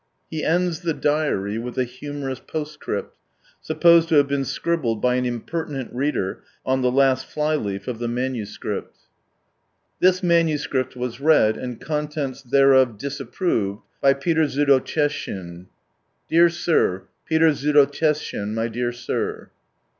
He ends the Diary — with a humorous postscript, supposed to have been scribbled by an impertinent reader on the last fly leaf of the MS. 2S This MS. was read, and contents thereof disapproved, by Peter Zudotyes^in. M.M.M.M. Dear Sir, Peter Zudotyeshin, My dear Sir.